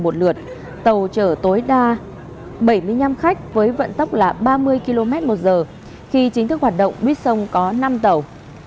một lượt tàu chở tối đa bảy mươi năm khách với vận tốc là ba mươi km một giờ khi chính thức hoạt động mít sông có năm tàu